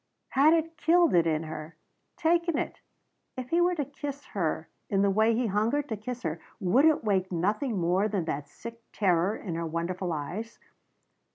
Had it killed it in her? Taken it? If he were to kiss her in the way he hungered to kiss her would it wake nothing more than that sick terror in her wonderful eyes?